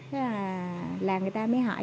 thế là người ta mới hỏi